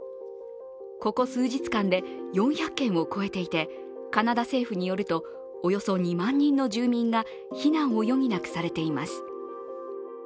ここ数日間で４００件を超えていて、カナダ政府によると、およそ２万人の住民が避難を余儀なくされています。